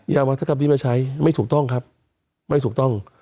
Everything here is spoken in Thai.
วัฒกรรมที่มาใช้ไม่ถูกต้องครับไม่ถูกต้อง